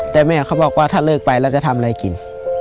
แต่แม่เขาบอกว่าถ้าเลิกไปแล้วจะทำอะไรกิน